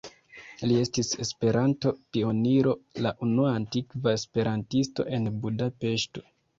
Li estis Esperanto-pioniro, la unua aktiva esperantisto en Budapeŝto.